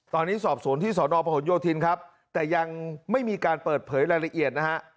ตอนนี้สอบสวนที่สอนอพหนโยธินครับแต่ยังไม่มีการเปิดเผยรายละเอียดนะฮะ